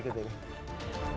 usaha jalan berikut ini